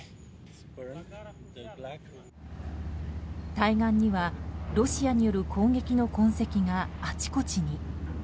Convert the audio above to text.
対岸には、ロシアによる攻撃の痕跡があちこちに。